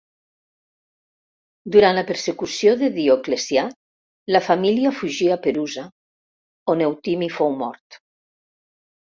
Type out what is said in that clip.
Durant la persecució de Dioclecià la família fugí a Perusa, on Eutimi fou mort.